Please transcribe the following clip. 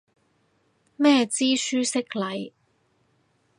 咩知書識禮